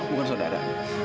oh bukan saudara